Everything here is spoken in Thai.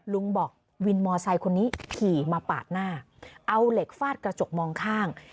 ลุงบอกวินมอไซค์คนนี้ขี่มาปาดหน้าเอาเหล็กฟาดกระจกมองข้าง